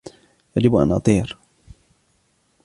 يجب أن أطير.